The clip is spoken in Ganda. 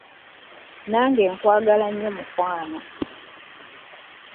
Nange nkwagala nnyo mukwano.